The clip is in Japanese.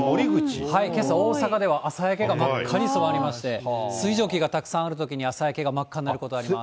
けさ、大阪では朝焼けが真っ赤に染まりまして、水蒸気がたくさんあるときに朝焼けが真っ赤になることがあります。